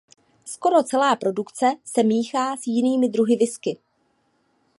Skoro celá produkce se míchá s jinými druhy whisky.